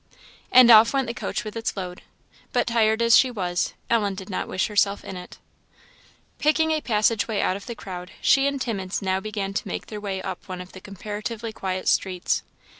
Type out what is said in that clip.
And off went the coach with its load; but, tired as she was, Ellen did not wish herself in it. Picking a passage way out of the crowd, she and Timmins now began to make their way up one of the comparatively quiet streets.